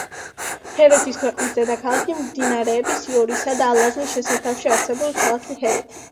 ჰერეთის ქვეყნის დედაქალაქი, მდინარეების იორისა და ალაზნის შესართავში არსებული ქალაქი ჰერეთი.